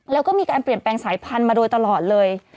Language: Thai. แล้วก็มีการเปลี่ยนแปลงสายพันธุ์มาโดยตลอดเลย